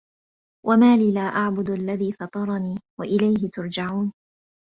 وما لي لا أعبد الذي فطرني وإليه ترجعون